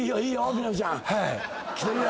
みな実ちゃん。来てるよ。